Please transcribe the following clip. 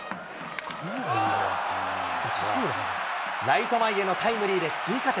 ライト前へのタイムリーで追加点。